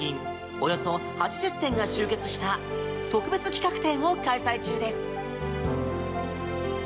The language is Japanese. およそ８０点が集結した特別企画展を開催中です。